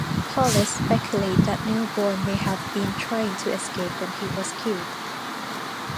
Police speculate that Newborn may have been trying to escape when he was killed.